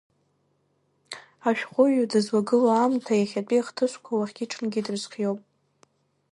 Ашәҟәыҩҩы дызлагыло аамҭа, иахьатәи ахҭысқәа уахгьы-ҽынгьы дрызхиоуп.